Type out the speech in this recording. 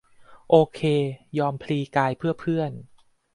โอเค ยอมพลีกาย เพื่อเพื่อน